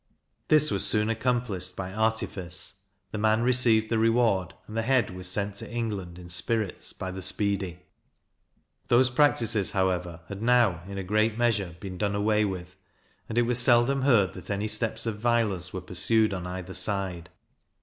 This was soon accomplished by artifice, the man received the reward, and the head was sent to England in spirits by the Speedy. Those practices, however, had now, in a great measure, been done away with, and it was seldom heard that any steps of violence were pursued on either side.